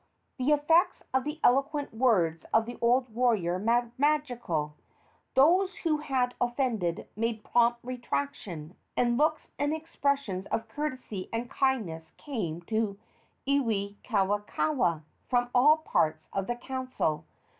'" The effects of the eloquent words of the old warrior were magical. Those who had offended made prompt retraction, and looks and expressions of courtesy and kindness came to Iwikauikaua from all parts of the council.